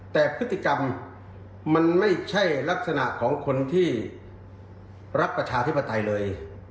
แต่พฤติกรรมมันไม่ใช่ลักษณะของคนที่รักประชาธิปไตยเลย